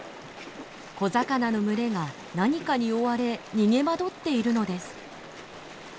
小魚の群れが何かに追われ逃げ惑っているのです。